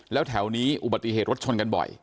แล้วแถวนี้อุบัติเหตุรถชนกันบ่อย